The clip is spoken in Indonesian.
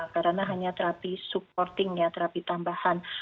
karena hanya terapi supporting ya terapi tambahan